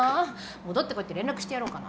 戻ってこいって連絡してやろうかな。